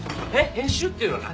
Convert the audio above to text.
編集っていうのは何？